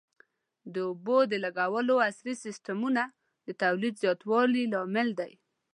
د اوبو د لګولو عصري سیستمونه د تولید زیاتوالي لامل دي.